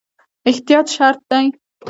احتیاط شرط دی